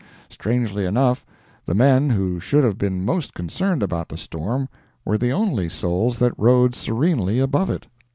Strangely enough, the men who should have been most concerned about the storm were the only souls that rode serenely above it.